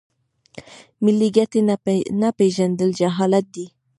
ملي ګټې نه پیژندل جهالت دی.